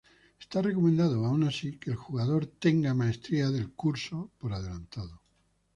Está recomendado, aun así, que el jugador ha tenido maestría del curso por adelantado.